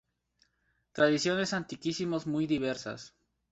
Tradiciones antiquísimos muy diversas.